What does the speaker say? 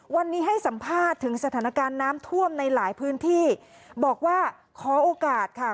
วันนี้ให้สัมภาษณ์ถึงสถานการณ์น้ำท่วมในหลายพื้นที่บอกว่าขอโอกาสค่ะ